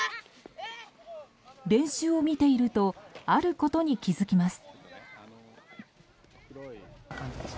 練習を見ているとあることに気づきます。